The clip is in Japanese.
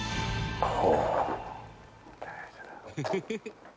ああ。